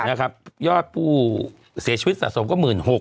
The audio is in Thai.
นะครับยอดผู้เสียชีวิตสะสมก็๑๖๘๕๐